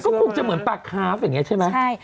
ก็คงจะเหมือนปลาคาฟอย่างนี้ใช่ไหม